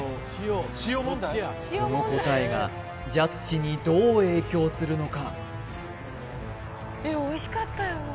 この答えがジャッジにどう影響するのか？